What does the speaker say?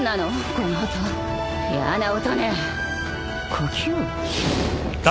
この音。やな音ね呼吸音？